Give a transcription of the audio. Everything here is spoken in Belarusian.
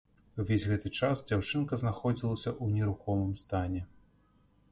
Увесь гэты час дзяўчынка знаходзілася ў нерухомым стане.